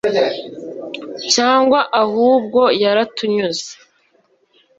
cyangwa ahubwo, yaratunyuze